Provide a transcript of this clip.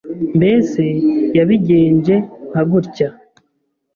Mbese yabigenje nka gutya